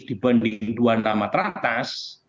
dibanding dua nama teratas